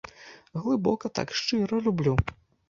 Глыбока так, шчыра люблю.